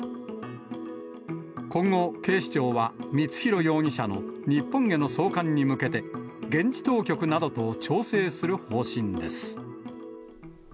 今後、警視庁は光弘容疑者の日本への送還に向けて、現地当局などと調整する方針です。